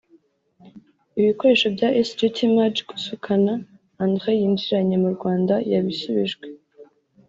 Ibikoresho bya Sgt Maj Kusukana Andre yinjiranye mu Rwanda yabisubijwe